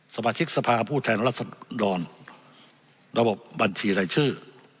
สมาชิกสภาผู้แทนรัศดรระบบบัญชีรายชื่อ